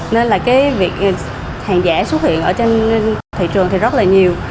nên là cái việc hàng giả xuất hiện ở trên thị trường thì rất là nhiều